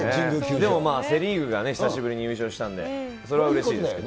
でもセ・リーグが久しぶりに優勝したんで、それはうれしいですね。